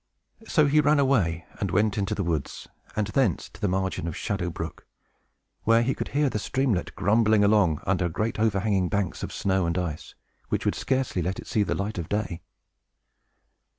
So he ran away, and went into the woods, and thence to the margin of Shadow Brook, where he could hear the streamlet grumbling along, under great overhanging banks of snow and ice, which would scarcely let it see the light of day.